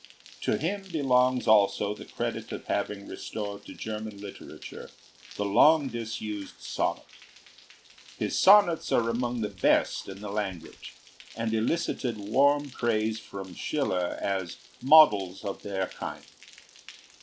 To him belongs also the credit of having restored to German literature the long disused sonnet. His sonnets are among the best in the language, and elicited warm praise from Schiller as "models of their kind."